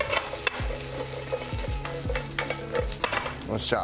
よっしゃ！